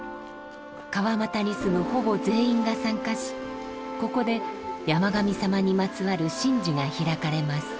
川俣に住むほぼ全員が参加しここで山神さまにまつわる神事が開かれます。